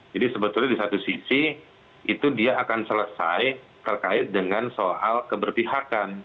jadi sebetulnya di satu sisi itu dia akan selesai terkait dengan soal keberpihakan